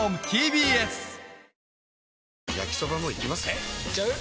えいっちゃう？